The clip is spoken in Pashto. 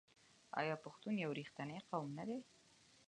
آیا پښتون یو رښتینی قوم نه دی؟